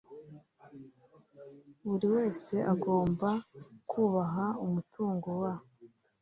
Buri wese agomba kubaha umutungo wa